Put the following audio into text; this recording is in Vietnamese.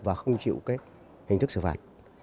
và không chịu cái hình thức xử phạt